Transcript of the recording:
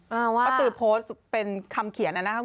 ก็คือโพสต์เป็นคำเขียนนะครับ